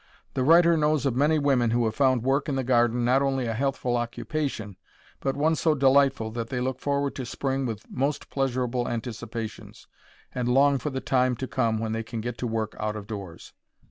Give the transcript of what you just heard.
The writer knows of many women who have found work in the garden not only a healthful occupation, but one so delightful that they look forward to spring with most pleasurable anticipations, and long for the time to come when they can get to work out of doors.